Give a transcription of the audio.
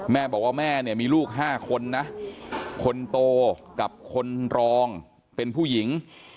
แม่บอกว่าแม่เนี่ยมีลูก๕คนนะคนโตกับคนรองเป็นผู้หญิง